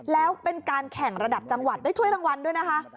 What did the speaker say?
แล้วเป็นการแข่งระดับจังหวัดได้ถ้วยรางวัลด้วยนะคะ